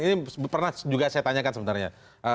ini pernah juga saya tanyakan sebenarnya